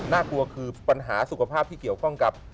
น่ากลัวคือปัญหาสุขภาพที่เกี่ยวข้องกับ